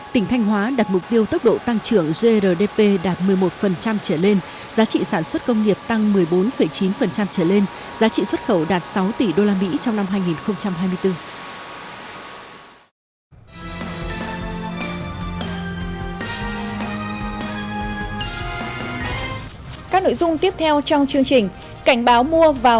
tỉnh thanh hóa đạt mục tiêu tốc độ tăng trưởng grdp đạt một mươi một trở lên giá trị sản xuất công nghiệp tăng một mươi bốn chín trở lên giá trị xuất khẩu đạt sáu tỷ đô la mỹ trong năm hai nghìn hai mươi bốn